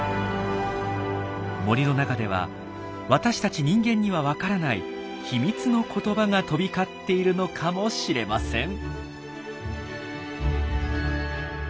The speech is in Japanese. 森の中では私たち人間にはわからない秘密の言葉が飛び交っているのかもしれません。